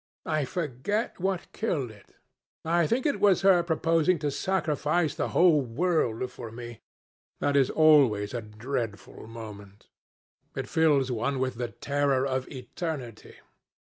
I forget what killed it. I think it was her proposing to sacrifice the whole world for me. That is always a dreadful moment. It fills one with the terror of eternity.